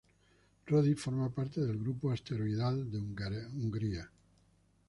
Roddy forma parte del grupo asteroidal de Hungaria.